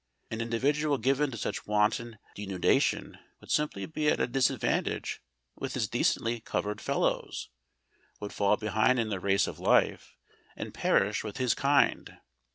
An individual given to such wanton denudation would simply be at a disadvantage with his decently covered fellows, would fall behind in the race of life, and perish with his kind.